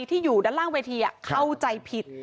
ที่อยู่ด้านล่างเวทีเข้าใจผิด